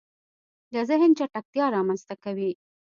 د زهن چټکتیا رامنځته کوي